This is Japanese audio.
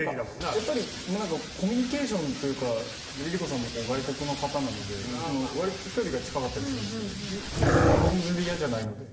やっぱりコミュニケーションというかＬｉＬｉＣｏさんも外国の方なので割と距離が近かったりするんですけど僕も全然、嫌じゃないので。